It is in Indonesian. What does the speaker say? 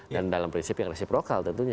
dalam prinsip yang resiprokal tentunya